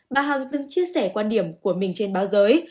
bà hằng từng chia sẻ quan điểm của mình trên báo giới